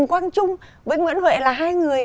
quang trung với nguyễn huệ là hai người